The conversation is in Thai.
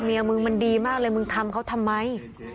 เมียมึงมันดีมากเลยมึงทำเขาทำไม